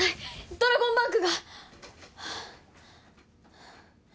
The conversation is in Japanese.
「ドラゴンバンク」